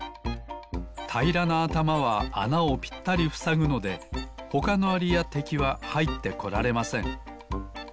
たいらなあたまはあなをぴったりふさぐのでほかのアリやてきははいってこられません。